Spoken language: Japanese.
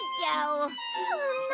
そんな。